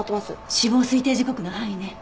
死亡推定時刻の範囲ね。